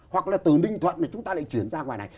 hoặc là từ ninh thuận thì chúng ta lại chuyển ra ngoài này